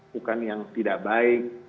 bukan yang tidak baik